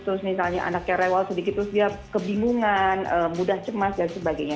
terus misalnya anaknya rewal sedikit terus dia kebingungan mudah cemas dan sebagainya